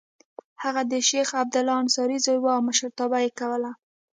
هغه د شیخ عبدالله انصاري زوی و او مشرتابه یې کوله.